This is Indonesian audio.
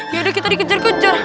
yaudah kita dikejar kejar